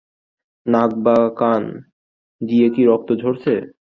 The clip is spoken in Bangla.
কান বা নাক দিয়ে কি রক্ত ঝরছে?